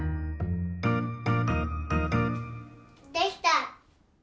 できた！